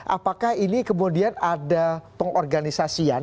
apakah ini kemudian ada pengorganisasian